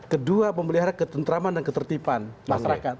kedua memelihara ketentraman dan ketertiban masyarakat